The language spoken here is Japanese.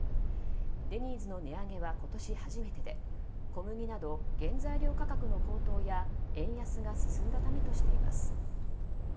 デニーズの値上げは今年初めてで小麦など原材料価格の高騰や円安が進んだためとしています。